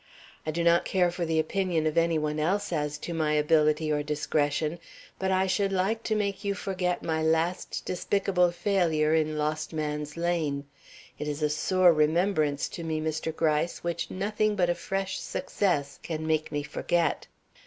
I do not care for the opinion of any one else as to my ability or discretion; but I should like to make you forget my last despicable failure in Lost Man's Lane. It is a sore remembrance to me, Mr. Gryce, which nothing but a fresh success can make me forget."